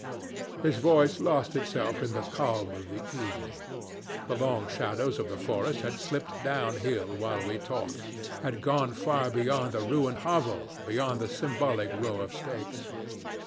...' "His voice lost itself in the calm of the evening. The long shadows of the forest had slipped down hill while we talked, had gone far beyond the ruined hovel, beyond the symbolic row of stakes.